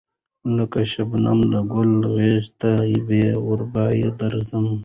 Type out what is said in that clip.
لکه شبنم د گلو غېږ ته بې رویباره درځم